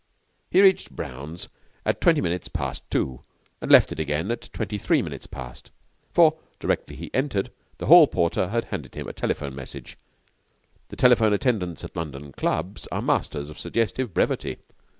He reached Brown's at twenty minutes past two and left it again at twenty three minutes past; for, directly he entered, the hall porter had handed him a telephone message. The telephone attendants at London clubs are masters of suggestive brevity.